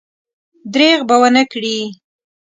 درېغ به ونه کړي.